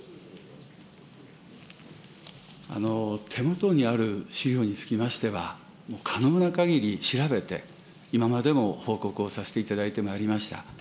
手元にある資料につきましては、可能なかぎり調べて、今までも報告をさせていただいてまいりました。